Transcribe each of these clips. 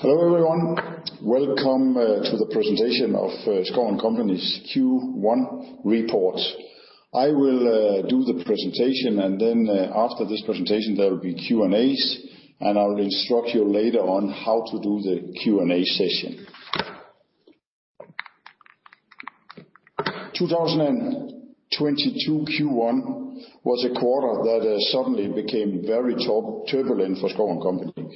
Hello, everyone. Welcome to the presentation of Schouw & Co.'s Q1 report. I will do the presentation, and then, after this presentation, there will be Q&As, and I will instruct you later on how to do the Q&A session. 2022 Q1 was a quarter that suddenly became very turbulent for Schouw & Co.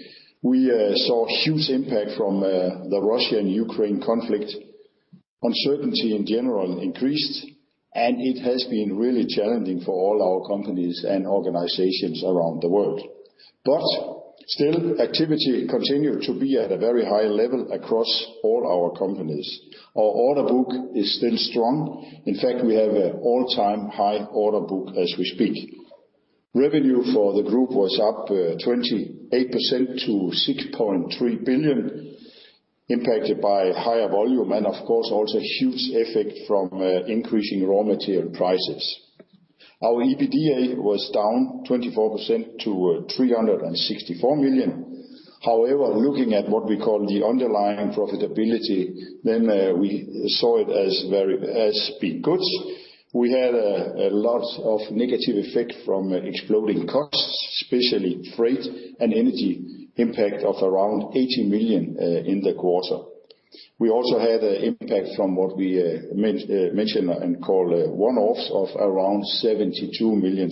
We saw huge impact from the Russia and Ukraine conflict. Uncertainty in general increased, and it has been really challenging for all our companies and organizations around the world. Still, activity continued to be at a very high level across all our companies. Our order book is still strong. In fact, we have an all-time high order book as we speak. Revenue for the group was up 28% to 6.3 billion, impacted by higher volume and of course also huge effect from increasing raw material prices. Our EBITDA was down 24% to 364 million. However, looking at what we call the underlying profitability, then we saw it as very as being good. We had a lot of negative effect from exploding costs, especially freight and energy impact of around 80 million in the quarter. We also had an impact from what we mentioned and call one-offs of around 72 million.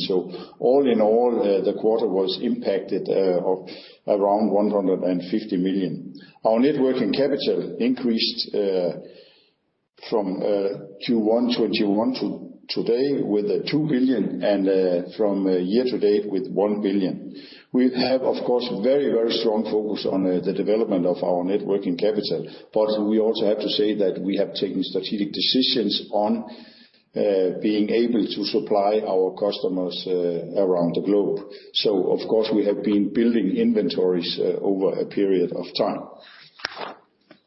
All in all, the quarter was impacted of around 150 million. Our net working capital increased from Q1 to today with 2 billion and from year-to-date with 1 billion. We have, of course, very, very strong focus on the development of our net working capital, but we also have to say that we have taken strategic decisions on being able to supply our customers around the globe. Of course, we have been building inventories over a period of time.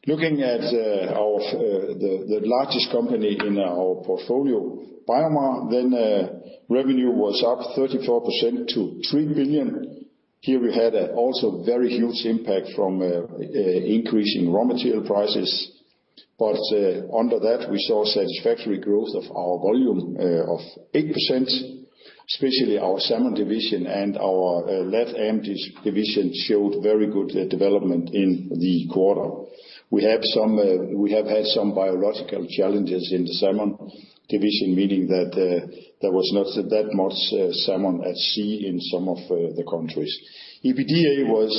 Looking at the largest company in our portfolio, BioMar, then revenue was up 34% to 3 billion. Here we had also very huge impact from increasing raw material prices. Under that, we saw satisfactory growth of our volume of 8%, especially our Salmon Division and our LATAM Division showed very good development in the quarter. We have had some biological challenges in the Salmon Division, meaning that there was not that much salmon at sea in some of the countries. EBITDA was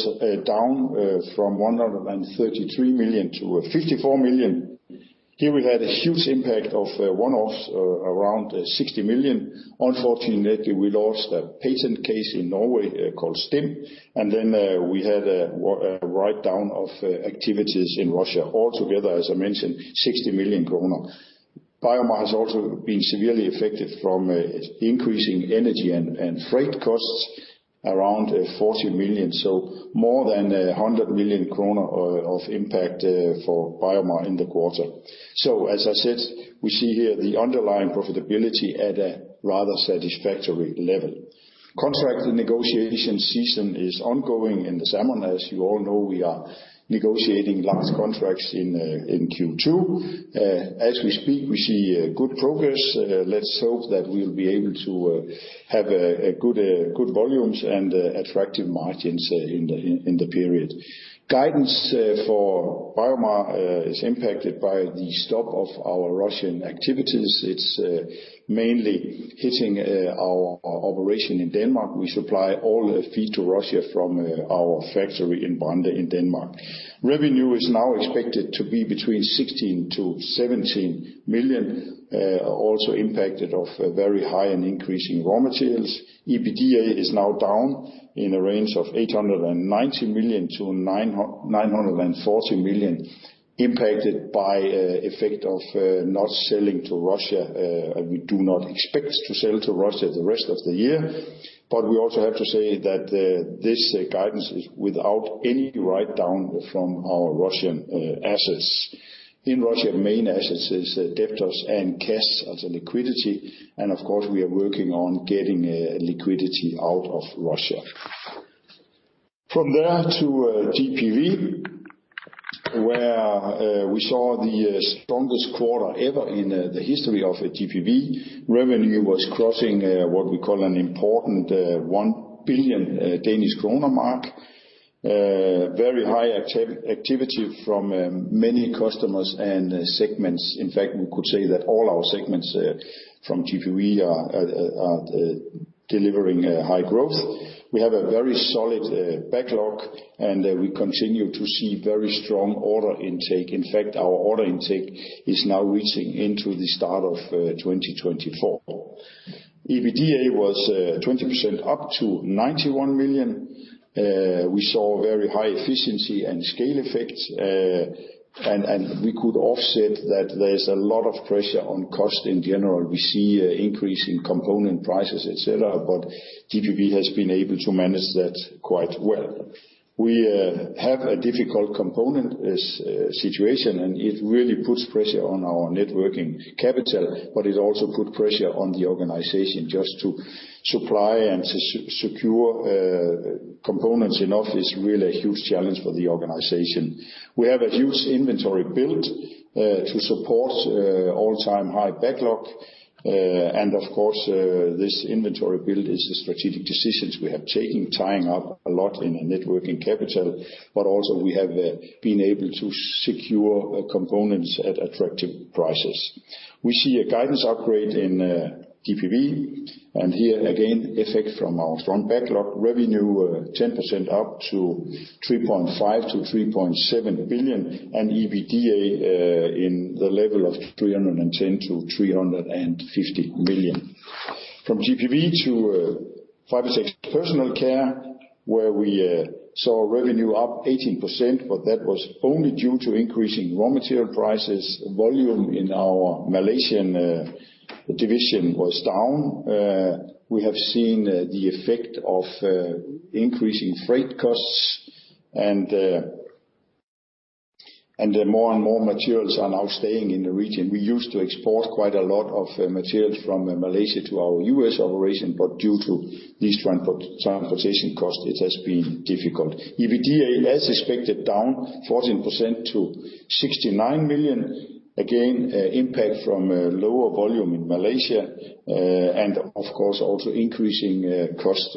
down from 133 million to 54 million. Here we had a huge impact of one-offs around 60 million. Unfortunately, we lost a patent case in Norway called STIM, and then we had a write-down of activities in Russia. All together, as I mentioned, 60 million kroner. BioMar has also been severely affected from increasing energy and freight costs, around 40 million, so more than 100 million kroner of impact for BioMar in the quarter. As I said, we see here the underlying profitability at a rather satisfactory level. Contract negotiation season is ongoing in the Salmon. As you all know, we are negotiating large contracts in Q2. As we speak, we see good progress. Let's hope that we'll be able to have good volumes and attractive margins in the period. Guidance for BioMar is impacted by the stop of our Russian activities. It's mainly hitting our operation in Denmark. We supply all the feed to Russia from our factory in Brande in Denmark. Revenue is now expected to be between 16 million-17 million, also impacted by very high and increasing raw materials. EBITDA is now down in a range of 890 million-940 million, impacted by effect of not selling to Russia. We do not expect to sell to Russia the rest of the year. We also have to say that this guidance is without any write-down from our Russian assets. In Russia, main assets is debtors and cash as a liquidity, and of course, we are working on getting liquidity out of Russia. From there to GPV, where we saw the strongest quarter ever in the history of GPV. Revenue was crossing what we call an important 1 billion Danish kroner mark. Very high activity from many customers and segments. In fact, we could say that all our segments from GPV are delivering high growth. We have a very solid backlog, and we continue to see very strong order intake. In fact, our order intake is now reaching into the start of 2024. EBITDA was 20% up to 91 million. We saw very high efficiency and scale effects. We could offset that there's a lot of pressure on cost in general. We see an increase in component prices, et cetera, but GPV has been able to manage that quite well. We have a difficult component situation, and it really puts pressure on our net working capital, but it also put pressure on the organization just to supply and secure components enough is really a huge challenge for the organization. We have a huge inventory build to support all-time high backlog. Of course, this inventory build is the strategic decisions we have taken, tying up a lot in the net working capital. We have been able to secure components at attractive prices. We see a guidance upgrade in GPV, and here again, effect from our strong backlog. Revenue 10% up to 3.5 billion-3.7 billion, and EBITDA in the level of 310 million-350 million. From GPV to Fibertex Personal Care, where we saw revenue up 18%, but that was only due to increasing raw material prices. Volume in our Malaysian division was down. We have seen the effect of increasing freight costs and more and more materials are now staying in the region. We used to export quite a lot of materials from Malaysia to our U.S. Operation, but due to these transportation costs, it has been difficult. EBITDA, as expected, down 14% to 69 million. Impact from lower volume in Malaysia, and of course, also increasing costs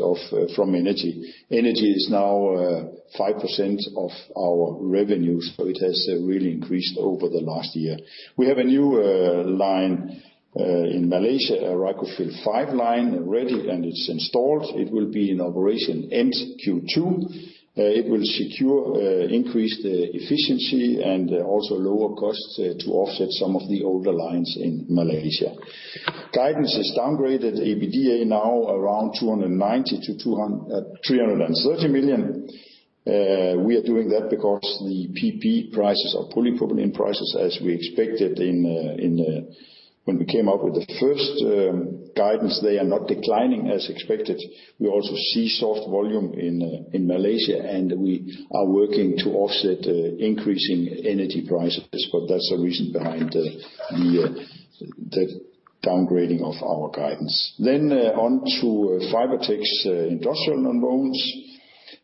from energy. Energy is now 5% of our revenues, so it has really increased over the last year. We have a new line in Malaysia, a Reicofil five line ready, and it's installed. It will be in operation mid Q2. It will secure increase the efficiency and also lower costs to offset some of the older lines in Malaysia. Guidance is downgraded. EBITDA now around 290 million-330 million. We are doing that because the PP prices or polypropylene prices, as we expected in when we came out with the first guidance, they are not declining as expected. We also see soft volume in Malaysia, and we are working to offset increasing energy prices, but that's the reason behind the downgrading of our guidance. On to Fibertex Industrial Nonwovens,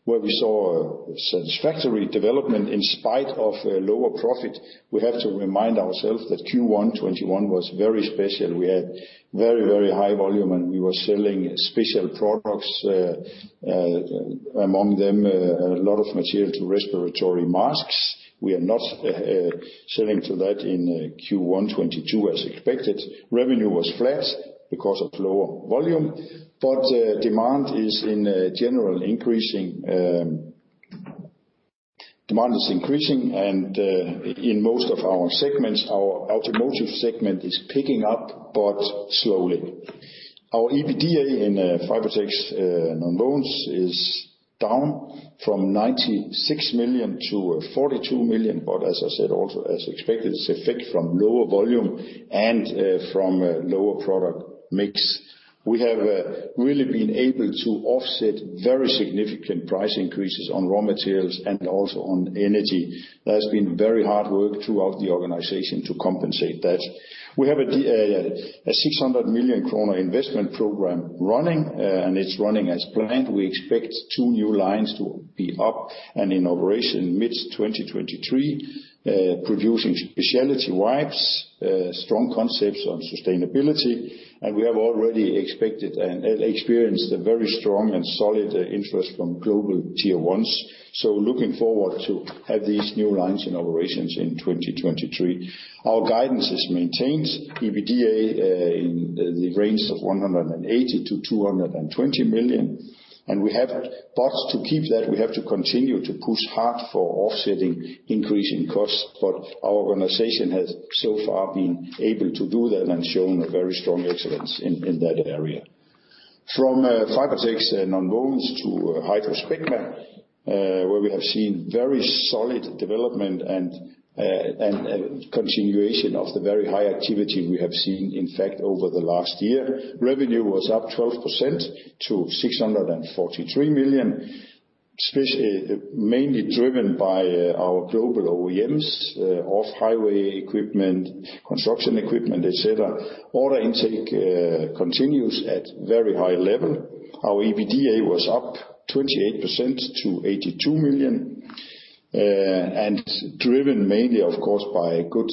where we saw a satisfactory development in spite of lower profit. We have to remind ourselves that Q1 2021 was very special. We had very high volume, and we were selling special products, among them a lot of material to respiratory masks. We are not selling to that in Q1 2022 as expected. Revenue was flat because of lower volume, but demand is in general increasing in most of our segments. Our automotive segment is picking up, but slowly. Our EBITDA in Fibertex Nonwovens is down from 96 million to 42 million, but as I said, also as expected, its effect from lower volume and from lower product mix. We have really been able to offset very significant price increases on raw materials and also on energy. That has been very hard work throughout the organization to compensate that. We have a 600 million kroner investment program running, and it's running as planned. We expect two new lines to be up and in operation mid-2023, producing specialty wipes, strong concepts on sustainability. We have already expected and experienced a very strong and solid interest from global tier ones. Looking forward to have these new lines in operations in 2023. Our guidance is maintained, EBITDA in the range of 180 million-220 million. To keep that, we have to continue to push hard for offsetting increasing costs. Our organization has so far been able to do that and shown a very strong excellence in that area. From Fibertex Nonwovens to HydraSpecma, where we have seen very solid development and continuation of the very high activity we have seen, in fact, over the last year. Revenue was up 12% to 643 million, mainly driven by our global OEMs, off-highway equipment, construction equipment, et cetera. Order intake continues at very high level. Our EBITDA was up 28% to 82 million and driven mainly, of course, by good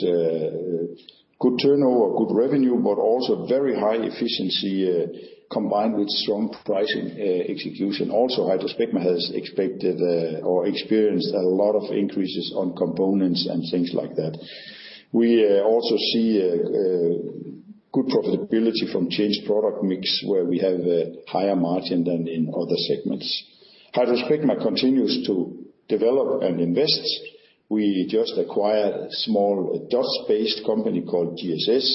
turnover, good revenue, but also very high efficiency combined with strong pricing execution. HydraSpecma has experienced a lot of increases on components and things like that. We also see good profitability from changed product mix, where we have a higher margin than in other segments. HydraSpecma continues to develop and invest. We just acquired a small Dutch-based company called GSS,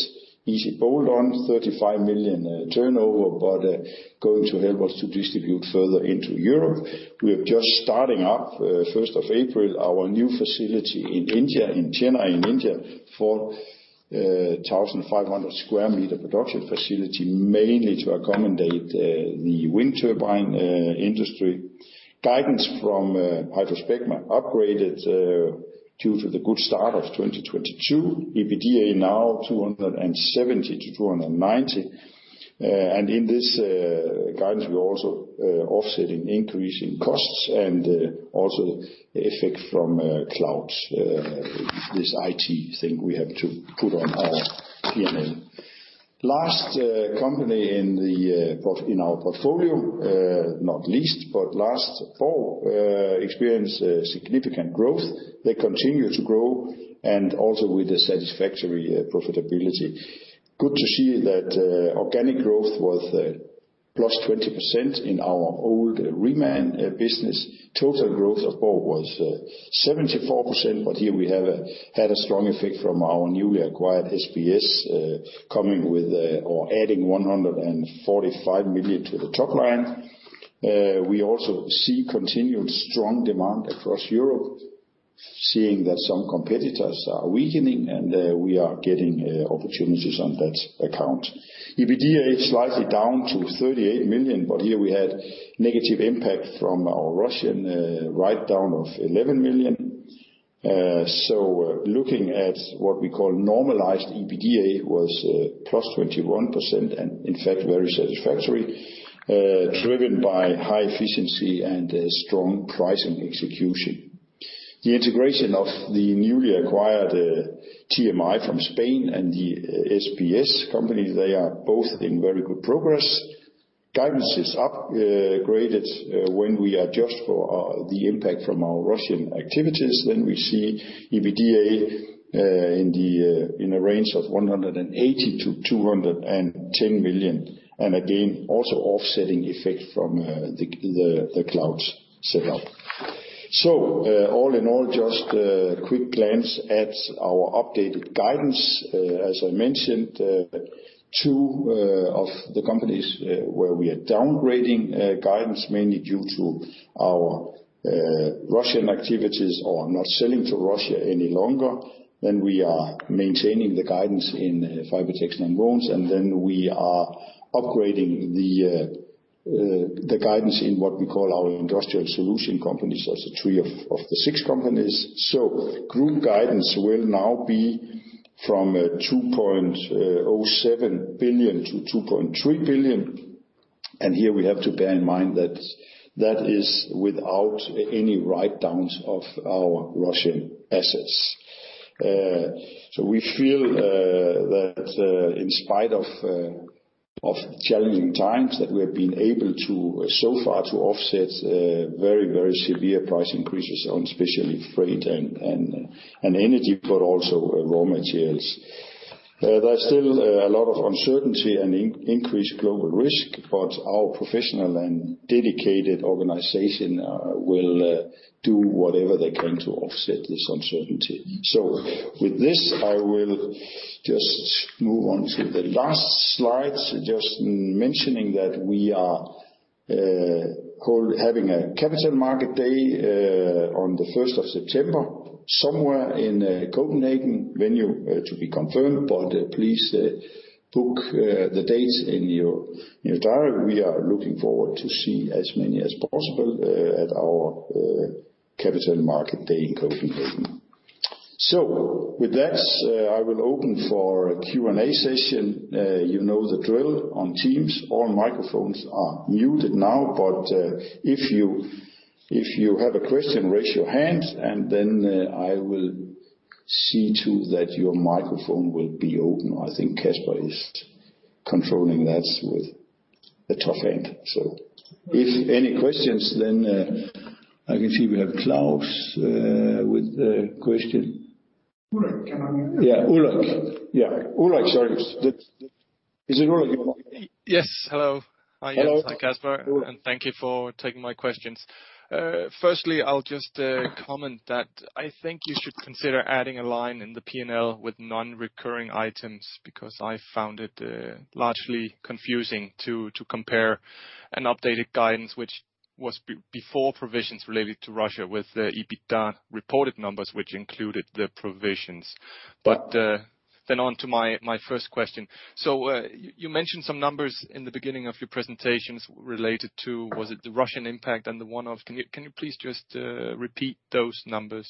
easy bolt-on, 35 million turnover, but going to help us to distribute further into Europe. We are just starting up first of April, our new facility in Chennai, India, 4,500 sq m production facility, mainly to accommodate the wind turbine industry. Guidance from HydraSpecma upgraded due to the good start of 2022. EBITDA now 270-290. In this guidance, we're also offsetting increasing costs and also effect from cloud, this IT thing we have to put on our P&L. Last company in our portfolio, not least, but last, Borg experienced significant growth. They continue to grow and also with a satisfactory profitability. Good to see that organic growth was +20% in our old reman business. Total growth of Borg was 74%, but here we had a strong effect from our newly acquired SBS, coming with, or adding 145 million to the top line. We also see continued strong demand across Europe, seeing that some competitors are weakening, and we are getting opportunities on that account. EBITDA is slightly down to 38 million, but here we had negative impact from our Russian write-down of 11 million. Looking at what we call normalized EBITDA was +21%, and in fact very satisfactory, driven by high efficiency and strong pricing execution. The integration of the newly acquired TMI from Spain and the SBS company, they are both in very good progress. Guidance is upgraded when we adjust for the impact from our Russian activities. We see EBITDA in a range of 180 million-210 million. Again, also offsetting effect from the [cloud sell-off]. All in all, just a quick glance at our updated guidance. As I mentioned, two of the companies where we are downgrading guidance, mainly due to our Russian activities or not selling to Russia any longer, then we are maintaining the guidance in Fibertex and Borg, and then we are upgrading the guidance in what we call our industrial solution companies, also three of the six companies. Group guidance will now be from 2.07 billion-2.3 billion. Here we have to bear in mind that that is without any write-downs of our Russian assets. We feel that in spite of challenging times that we have been able to so far to offset very severe price increases on especially freight and energy, but also raw materials. There's still a lot of uncertainty and increased global risk, but our professional and dedicated organization will do whatever they can to offset this uncertainty. With this, I will just move on to the last slide. Just mentioning that we are having a capital market day on the first of September, somewhere in Copenhagen, venue to be confirmed, but please book the date in your diary. We are looking forward to see as many as possible at our capital market day in Copenhagen. With that, I will open for a Q&A session. You know the drill on Teams. All microphones are muted now, but if you have a question, raise your hand, and then I will see to that your microphone will be open. I think Kasper is controlling that with a tough hand. If any questions, then I can see we have Klaus with a question. Ulrik, can I- Yeah, Ulrik. Yeah. Ulrik, sorry. Is it Ulrik? Yes. Hello. Hello. Hi, yes. Hi, Kasper, and thank you for taking my questions. Firstly, I'll just comment that I think you should consider adding a line in the P&L with non-recurring items, because I found it largely confusing to compare an updated guidance, which was before provisions related to Russia with the EBITDA reported numbers, which included the provisions. Then on to my first question. You mentioned some numbers in the beginning of your presentations related to, was it the Russian impact and the one-off? Can you please just repeat those numbers?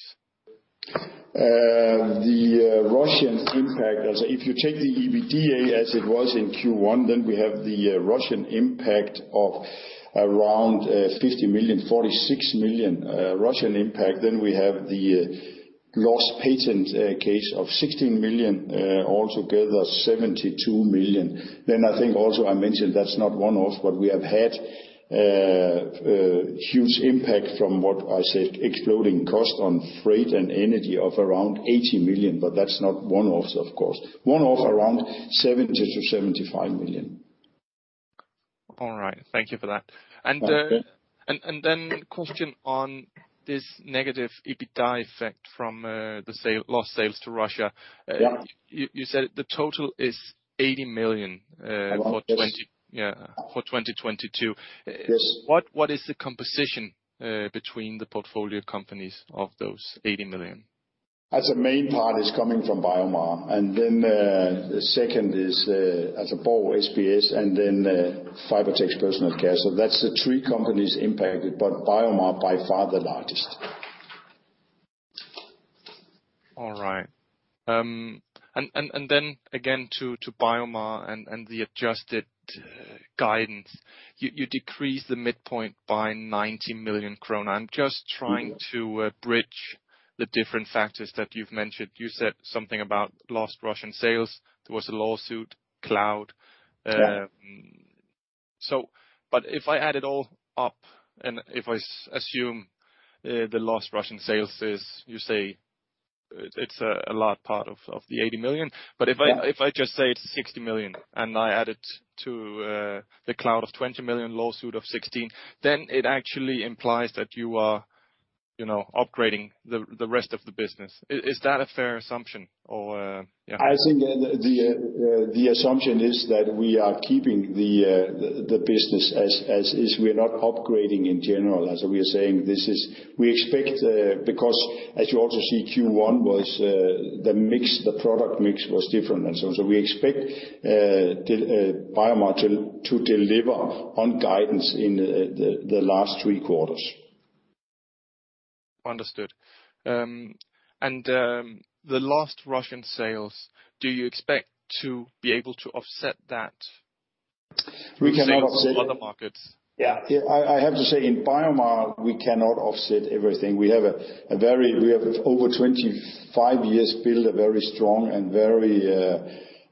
The Russian impact. If you take the EBITDA as it was in Q1, we have the Russian impact of around 50 million, 46 million Russian impact. We have the lost patent case of 16 million, altogether 72 million. I think also I mentioned that's not one-off, but we have had huge impact from what I said, exploding costs on freight and energy of around 80 million, but that's not one-offs, of course. One-off around 70 million-75 million. All right. Thank you for that. Okay. Question on this negative EBITDA effect from lost sales to Russia. Yeah. You said the total is 80 million. Yes. Yeah, for 2022. Yes. What is the composition between the portfolio companies of those 80 million? A main part is coming from BioMar, and then the second is from Borg, SBS, and then Fibertex Personal Care. That's the three companies impacted, but BioMar by far the largest. All right. To BioMar and the adjusted guidance, you decreased the midpoint by 90 million krone. I'm just trying to. Mm-hmm. Bridge the different factors that you've mentioned. You said something about lost Russian sales. There was a lawsuit, Klaus. But if I add it all up, and if I assume the lost Russian sales is, It's a large part of the 80 million. But if I- Yeah. If I just say it's 60 million, and I add it to the cloud of 20 million, lawsuit of 16 million, then it actually implies that you are upgrading the rest of the business. Is that a fair assumption? Or yeah. I think the assumption is that we are keeping the business as is. We're not upgrading in general. As we are saying, we expect, because as you also see, Q1 was, the product mix was different, and so we expect BioMar to deliver on guidance in the last three quarters. Understood. The last Russian sales, do you expect to be able to offset that? We cannot offset. In other markets? Yeah. I have to say, in BioMar, we cannot offset everything. We have over 25 years built a very strong and very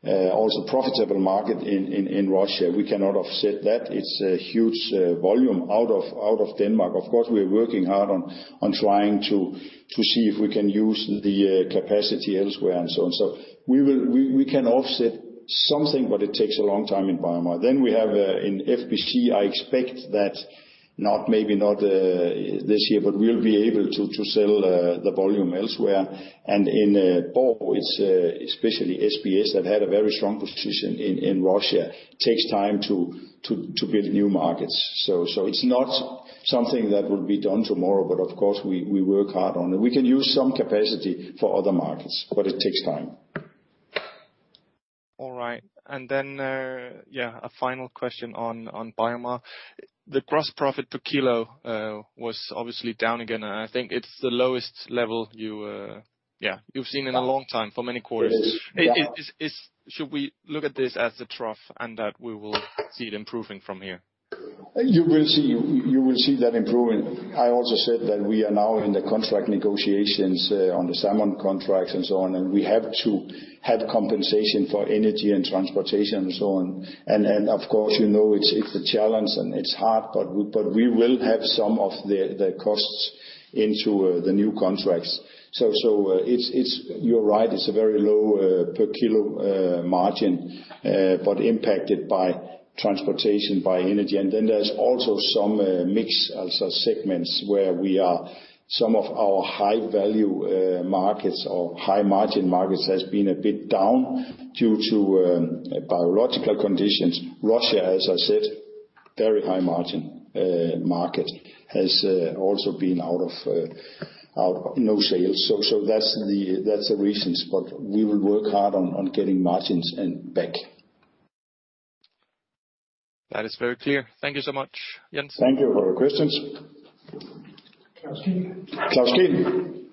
also profitable market in Russia. We cannot offset that. It's a huge volume out of Denmark. Of course, we are working hard on trying to see if we can use the capacity elsewhere and so on. We can offset something, but it takes a long time in BioMar. We have in FPC, I expect that not, maybe not this year, but we'll be able to sell the volume elsewhere. In Borg, it's especially SBS that had a very strong position in Russia. Takes time to build new markets. It's not something that will be done tomorrow, but of course, we work hard on it. We can use some capacity for other markets, but it takes time. All right. A final question on BioMar. The gross profit per kilo was obviously down again, and I think it's the lowest level you've seen in a long time, for many quarters. It is, yeah. Should we look at this as a trough and that we will see it improving from here? You will see that improving. I also said that we are now in the contract negotiations on the salmon contracts and so on, and we have to have compensation for energy and transportation and so on. Of course, you know, it's a challenge and it's hard, but we will have some of the costs into the new contracts. It's. You're right, it's a very low per kilo margin, but impacted by transportation, by energy. Then there's also some mix of segments where we are. Some of our high value markets or high margin markets has been a bit down due to biological conditions. Russia, as I said, very high margin market, has also been out of no sales. That's the reasons, but we will work hard on getting margins back. That is very clear. Thank you so much, Jens. Thank you for your questions. Klaus Kehl. Klaus Kehl.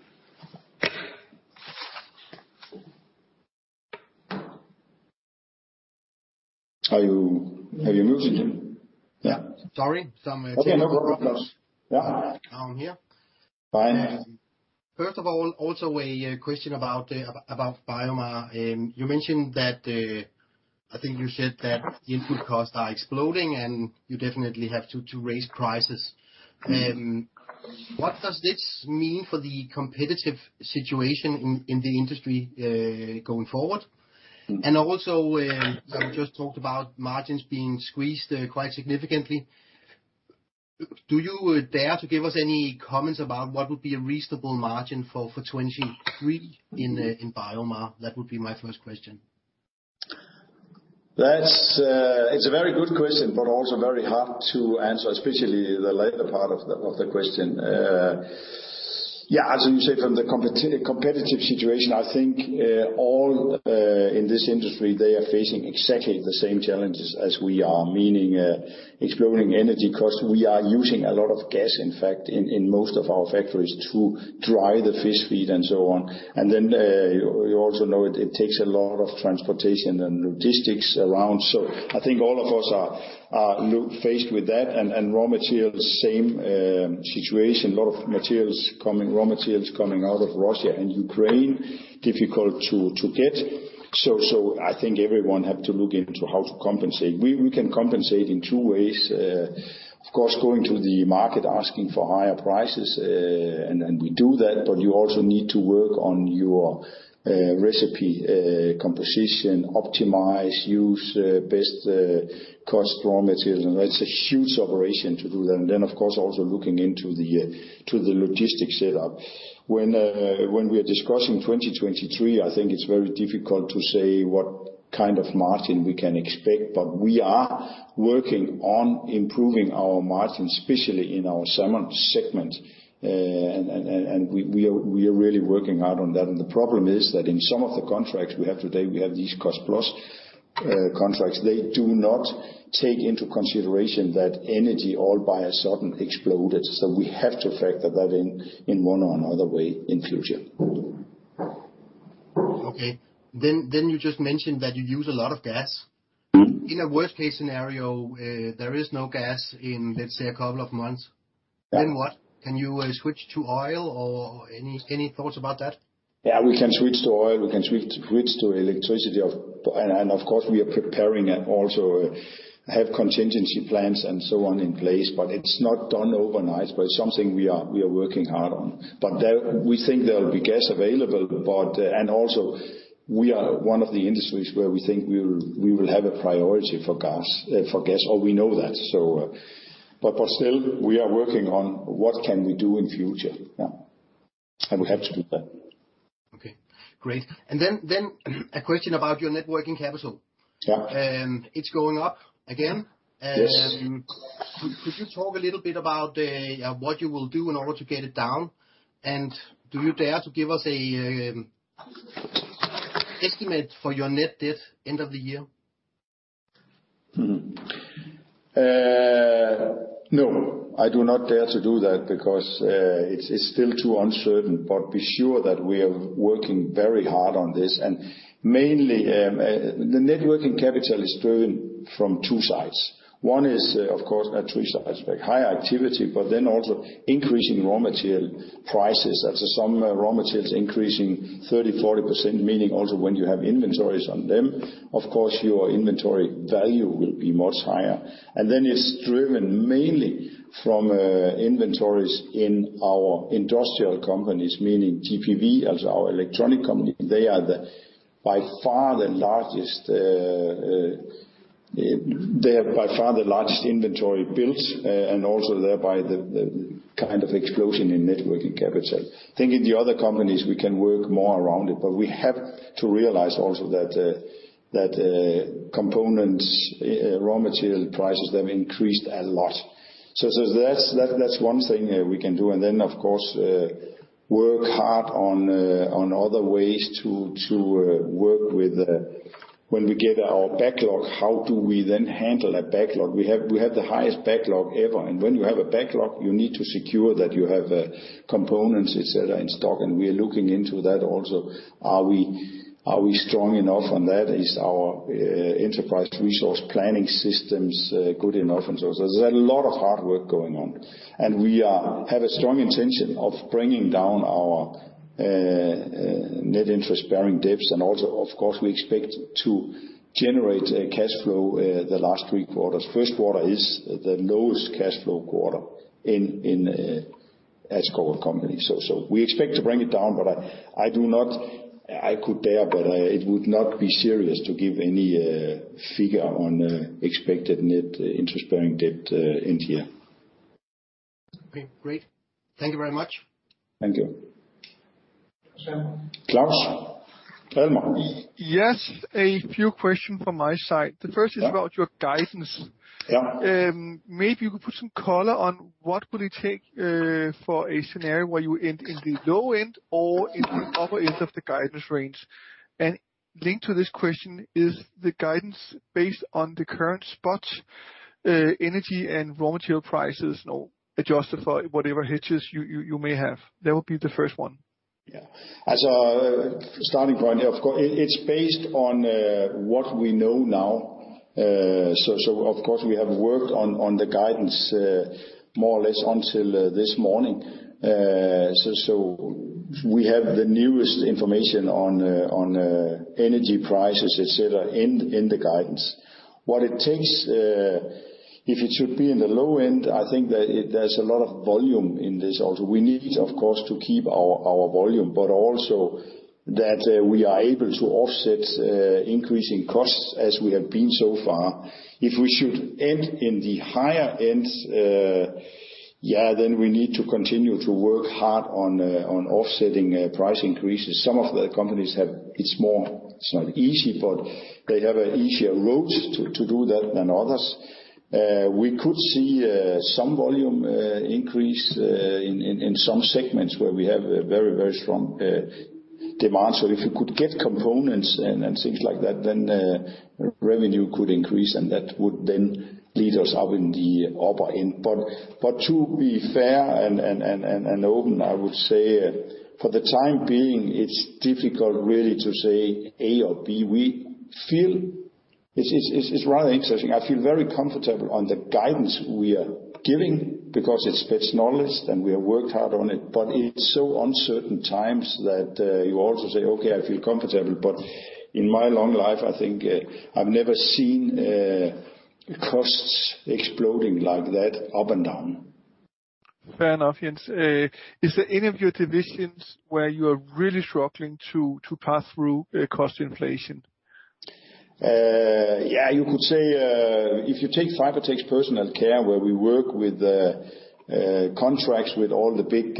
Have you muted? Yeah. Sorry. Some technical problems. Okay. No problem, Klaus. Yeah. Down here. Fine. First of all, also a question about BioMar. You mentioned that I think you said that input costs are exploding, and you definitely have to raise prices. What does this mean for the competitive situation in the industry going forward? Also, you just talked about margins being squeezed quite significantly. Do you dare to give us any comments about what would be a reasonable margin for 2023 in BioMar? That would be my first question. That's a very good question, but also very hard to answer, especially the later part of the question. Yeah, as you said, from the competitive situation, I think all in this industry are facing exactly the same challenges as we are, meaning exploding energy costs. We are using a lot of gas, in fact, in most of our factories to dry the fish feed and so on. You also know it takes a lot of transportation and logistics around. I think all of us are faced with that. Raw materials, same situation. A lot of raw materials coming out of Russia and Ukraine, difficult to get. I think everyone has to look into how to compensate. We can compensate in two ways. Of course, going to the market, asking for higher prices, and we do that, but you also need to work on your recipe, composition, optimize use best cost raw materials, and that's a huge operation to do that. Then, of course, also looking into to the logistics setup. When we are discussing 2023, I think it's very difficult to say what kind of margin we can expect, but we are working on improving our margin, especially in our salmon segment. We are really working hard on that. The problem is that in some of the contracts we have today, we have these cost-plus contracts. They do not take into consideration that energy all of a sudden exploded. We have to factor that in one or another way in future. Okay. You just mentioned that you use a lot of gas. Mm-hmm. In a worst case scenario, there is no gas in, let's say, a couple of months. Then what? Can you switch to oil or any thoughts about that? Yeah, we can switch to oil. We can switch to electricity. Of course, we are preparing and also have contingency plans and so on in place, but it's not done overnight. It's something we are working hard on. There, we think there'll be gas available. Also, we are one of the industries where we think we will have a priority for gas, or we know that. Still, we are working on what can we do in future. Yeah. We have to do that. Okay, great. A question about your net working capital. Yeah. It's going up again. Yes. Could you talk a little bit about what you will do in order to get it down? Do you dare to give us an estimate for your net debt end of the year? No, I do not dare to do that because it's still too uncertain. Be sure that we are working very hard on this. Mainly, the working capital is driven from two sides. One is of course high activity, but then also increasing raw material prices. That is some raw materials increasing 30%-40%, meaning also when you have inventories on them, of course your inventory value will be much higher. It's driven mainly from inventories in our industrial companies, meaning GPV as our electronics company. They are by far the largest inventory buildup, and also thereby the kind of explosion in working capital. Thinking the other companies, we can work more around it, but we have to realize also that components, raw material prices have increased a lot. That's one thing that we can do, and then of course work hard on other ways to work with when we get our backlog, how do we then handle that backlog? We have the highest backlog ever, and when you have a backlog, you need to secure that you have components, et cetera, in stock, and we are looking into that also. Are we strong enough on that? Is our enterprise resource planning systems good enough? There's a lot of hard work going on. We have a strong intention of bringing down our net interest-bearing debts. Also, of course, we expect to generate a cash flow the last three quarters. First quarter is the lowest cash flow quarter in as a company. We expect to bring it down, but I do not dare. It would not be serious to give any figure on expected net interest-bearing debt end year. Okay, great. Thank you very much. Thank you. Claus Almer. Yes. A few questions from my side. The first is about your guidance. Yeah. Maybe you could put some color on what would it take for a scenario where you end in the low end or in the upper end of the guidance range? Linked to this question, is the guidance based on the current spot energy and raw material prices now adjusted for whatever hitches you may have? That would be the first one. As a starting point, it's based on what we know now. Of course, we have worked on the guidance more or less until this morning. We have the newest information on energy prices, et cetera, in the guidance. What it takes, if it should be in the low end, I think that there's a lot of volume in this also. We need, of course, to keep our volume, but also that we are able to offset increasing costs as we have been so far. If we should end in the higher ends, then we need to continue to work hard on offsetting price increases. Some of the companies have... It's more, it's not easy, but they have an easier route to do that than others. We could see some volume increase in some segments where we have a very, very strong demand. If we could get components and things like that, then revenue could increase, and that would then lead us up in the upper end. To be fair and open, I would say for the time being, it's difficult really to say A or B. We feel it's rather interesting. I feel very comfortable on the guidance we are giving because it's best knowledge, and we have worked hard on it. It's so uncertain times that you also say, "Okay, I feel comfortable." In my long life, I think, I've never seen costs exploding like that up and down. Fair enough, Jens. Is there any of your divisions where you are really struggling to pass through cost inflation? Yeah, you could say if you take Fibertex Personal Care, where we work with contracts with all the big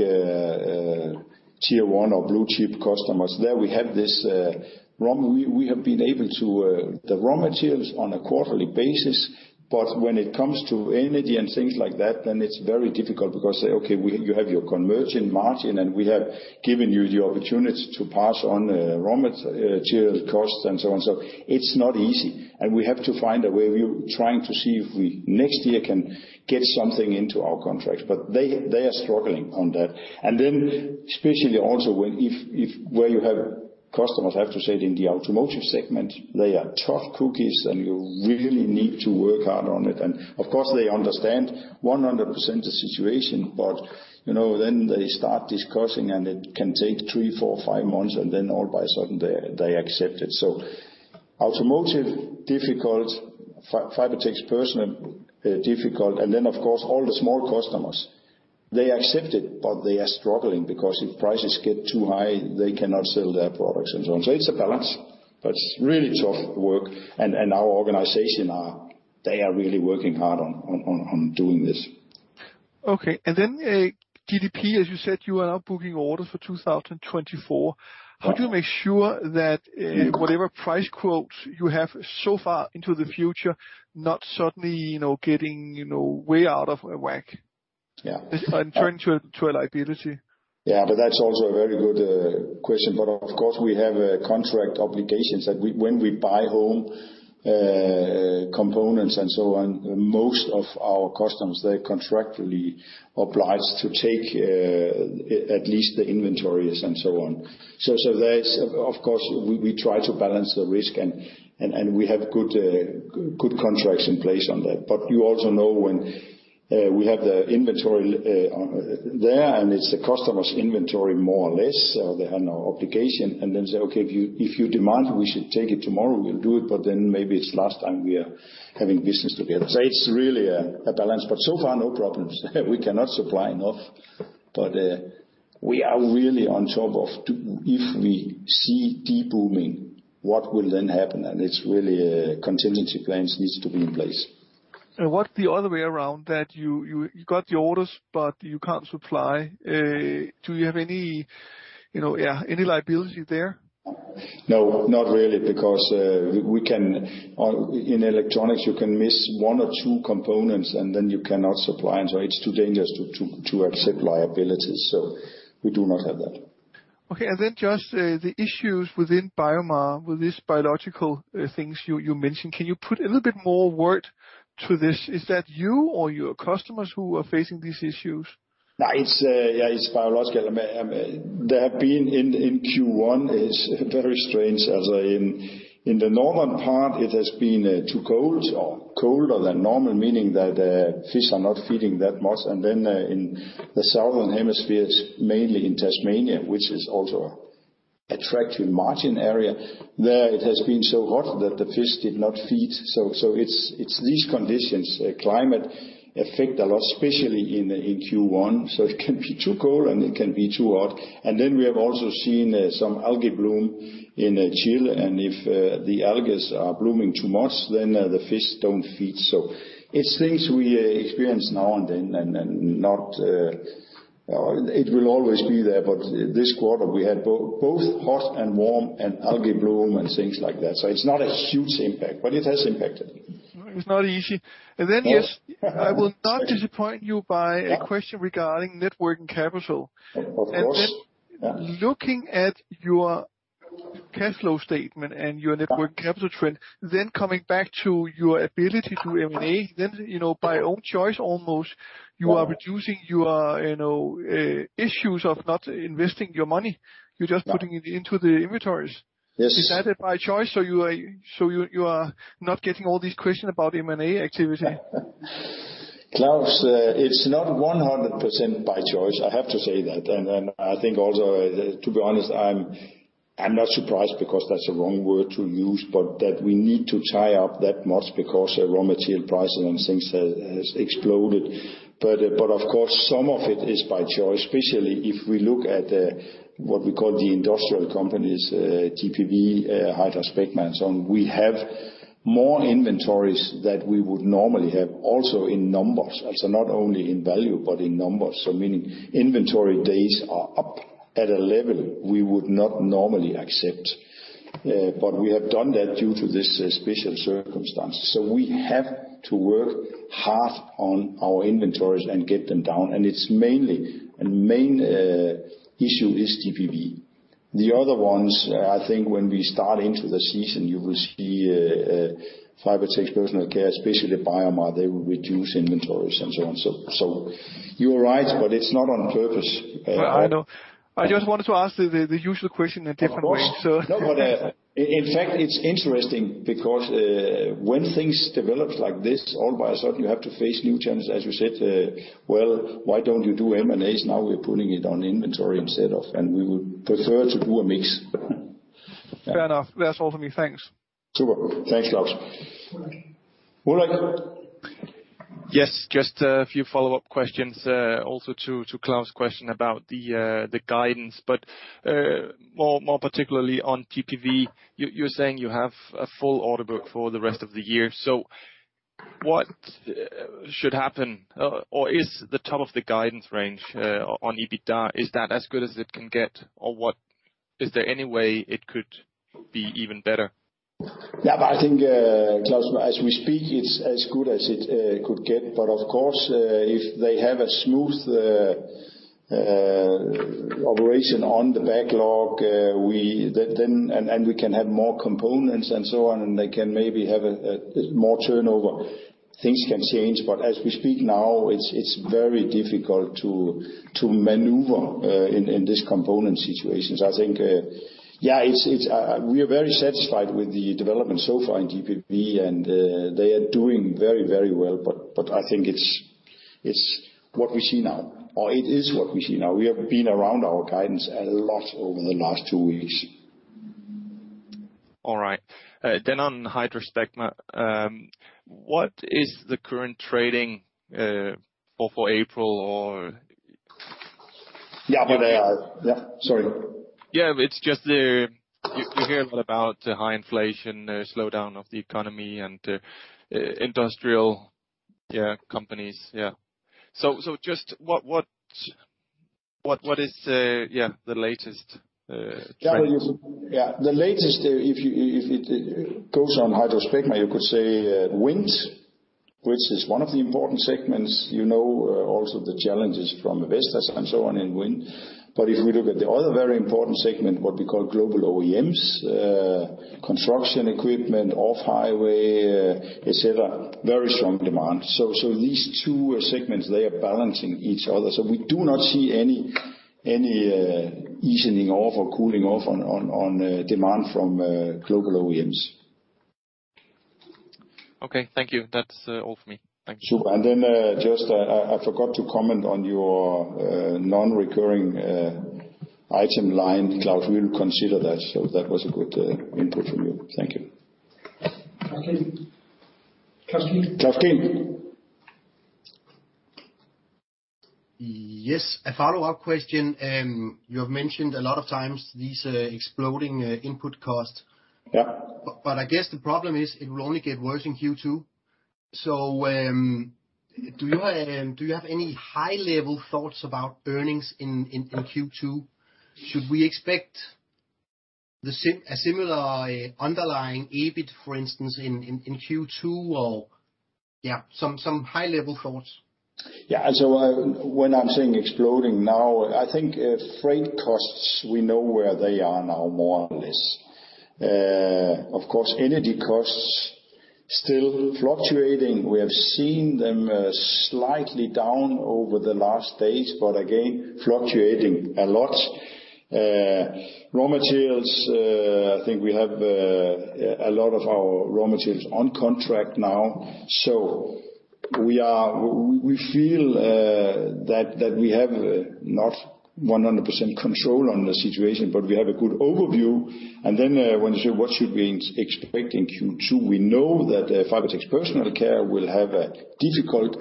tier one or blue-chip customers. There we have been able to the raw materials on a quarterly basis, but when it comes to energy and things like that, then it's very difficult because say, okay, you have your conversion margin, and we have given you the opportunity to pass on raw material costs and so and so. It's not easy. We have to find a way. We're trying to see if we next year can get something into our contracts, but they are struggling on that. Especially also when you have customers, I have to say it, in the automotive segment, they are tough cookies, and you really need to work hard on it. Of course, they understand 100% the situation, but, you know, then they start discussing, and it can take three, four, five months, and then all of a sudden they accept it. Automotive, difficult. Fibertex Personal Care, difficult. Of course, all the small customers. They accept it, but they are struggling because if prices get too high, they cannot sell their products and so on. It's a balance, but it's really tough work. Our organization is really working hard on doing this. Okay. GPV, as you said, you are now booking orders for 2024. Uh-huh. How do you make sure that whatever price quotes you have so far into the future not suddenly, you know, getting, you know, way out of whack? Yeah. Turning to a liability. Yeah, that's also a very good question. Of course we have contract obligations that when we buy components and so on, most of our customers, they're contractually obliged to take at least the inventories and so on. Of course, we try to balance the risk and we have good contracts in place on that. You also know when we have the inventory on hand, and it's the customer's inventory more or less, so they have no obligation, and then they say, "Okay, if you demand we should take it tomorrow, we'll do it, but then maybe it's the last time we are having business together." It's really a balance. So far, no problems. We cannot supply enough. If we see de-booming, what will then happen? It's really, contingency plans needs to be in place. What's the other way around that you got the orders, but you can't supply? Do you have any, you know, yeah, any liability there? No, not really, because in electronics, you can miss one or two components, and then you cannot supply. It's too dangerous to accept liabilities. We do not have that. Okay. Just the issues within BioMar with these biological things you mentioned. Can you put a little bit more word to this? Is that you or your customers who are facing these issues? No, it's yeah, it's biological. There have been in Q1 very strange as in the northern part it has been too cold or colder than normal, meaning that fish are not feeding that much. Then in the southern hemisphere, mainly in Tasmania, which is also an attractive margin area, there it has been so hot that the fish did not feed. It's these conditions, climate affect a lot, especially in Q1. It can be too cold and it can be too hot. Then we have also seen some algae bloom in Chile. If the algae are blooming too much, then the fish don't feed. It's things we experience now and then and not. It will always be there. This quarter we had both hot and warm and algae bloom and things like that. It's not a huge impact, but it has impacted. It's not easy. Uh, uh. I will not disappoint you with a question regarding net working capital. Of course. Then looking at your cash flow statement and your net working capital trend, then coming back to your ability to M&A, then, you know, by own choice almost, you are reducing your, you know, issues of not investing your money. You're just putting it into the inventories. Yes. Is that by choice, so you are not getting all these questions about M&A activity? Claus, it's not 100% by choice, I have to say that. Then I think also, to be honest, I'm not surprised because that's a wrong word to use, but that we need to tie up that much because raw material prices and things has exploded. But of course, some of it is by choice, especially if we look at what we call the industrial companies, GPV, HydraSpecma and so on. We have more inventories that we would normally have also in numbers, also not only in value, but in numbers. Meaning inventory days are up at a level we would not normally accept. But we have done that due to this special circumstances. We have to work hard on our inventories and get them down. It's mainly the main issue is GPV. The other ones, I think when we start into the season you will see, Fibertex Personal Care, especially BioMar, they will reduce inventories and so on. You are right, but it's not on purpose. I know. I just wanted to ask the usual question a different way. No, in fact it's interesting because, when things develop like this, all of a sudden you have to face new challenges, as you said. Well, why don't you do M&As? Now we're putting it on inventory instead of and we would prefer to do a mix. Fair enough. That's all for me. Thanks. Super. Thanks, Claus. Ulrik. Ulrik? Yes, just a few follow-up questions, also to Claus' question about the guidance, but more particularly on GPV. You're saying you have a full order book for the rest of the year. So what should happen? Or is the top of the guidance range on EBITDA as good as it can get? Or what? Is there any way it could be even better? I think, Claus, as we speak, it's as good as it could get. Of course, if they have a smooth operation on the backlog, we can have more components and so on, and they can maybe have a more turnover, things can change. As we speak now, it's very difficult to maneuver in this component situation. I think, we are very satisfied with the development so far in GPV and they are doing very well. I think it's what we see now, or it is what we see now. We have been around our guidance a lot over the last two weeks. All right. On HydraSpecma, what is the current trading for April or? Yeah, but, yeah. Sorry. You hear a lot about the high inflation, slowdown of the economy and industrial companies. Just what is the latest trend? The latest, if it goes on HydraSpecma, you could say, wind, which is one of the important segments, you know, also the challenges from investors and so on in wind. If we look at the other very important segment, what we call global OEMs, construction equipment, off highway, et cetera, very strong demand. These two segments, they are balancing each other. We do not see any easing off or cooling off on demand from global OEMs. Okay, thank you. That's all for me. Thank you. Sure. Just, I forgot to comment on your non-recurring item line. Claus, we'll consider that. That was a good input from you. Thank you. Klaus Kehl. Klaus Kehl. Yes. A follow-up question. You have mentioned a lot of times these exploding input costs. Yeah. I guess the problem is it will only get worse in Q2. Do you have any high-level thoughts about earnings in Q2? Should we expect a similar underlying EBIT, for instance, in Q2? Yeah. Some high-level thoughts. Yeah. When I'm saying exploding now, I think, freight costs, we know where they are now, more or less. Of course, energy costs still fluctuating. We have seen them, slightly down over the last days, but again, fluctuating a lot. Raw materials, I think we have a lot of our raw materials on contract now. We feel that we have not 100% control on the situation, but we have a good overview. When you say, what should we expect in Q2? We know that Fibertex Personal Care will have a difficult,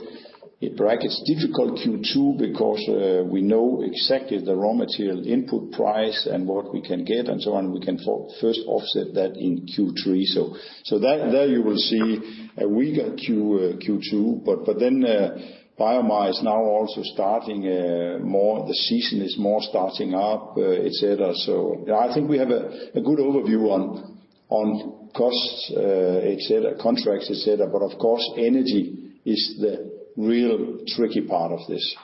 in brackets, difficult Q2 because we know exactly the raw material input price and what we can get and so on. We can first offset that in Q3. There you will see a weaker Q2. BioMar is now also starting more the season is more starting up, et cetera. I think we have a good overview on costs, et cetera, contracts, et cetera. Of course, energy is the real tricky part of this.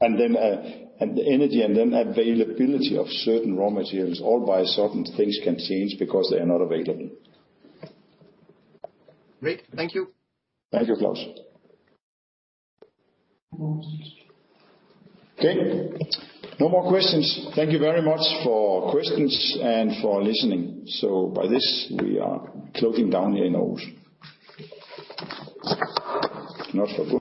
The energy and availability of certain raw materials, whereby certain things can change because they are not available. Great. Thank you. Thank you, Claus. Okay. No more questions. Thank you very much for questions and for listening. By this, we are closing down here in Aarhus. Not so good.